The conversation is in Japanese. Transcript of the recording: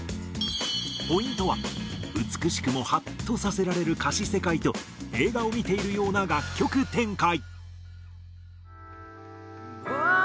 ポイントは美しくもハッとさせられる歌詞世界と映画を見ているような楽曲展開。